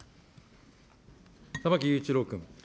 玉木雄一郎君。